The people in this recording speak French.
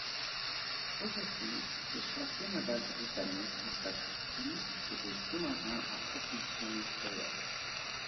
Aujourd'hui les chantiers navals britanniques ne fabriquent plus que des sous-marins à propulsion nucléaire.